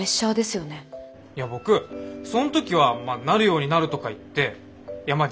いや僕そん時はなるようになるとか言ってまあ